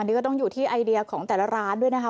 นี่ก็ต้องอยู่ที่ไอเดียของแต่ละร้านด้วยนะคะ